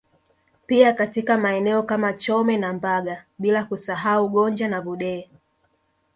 Pia katika maeneo kama Chome na Mbaga bila kusahau Gonja na Vudee